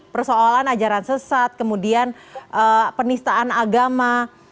persoalan ajaran sesat kemudian penistaan agama